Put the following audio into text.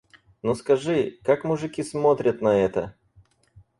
Но скажи, как мужики смотрят на это?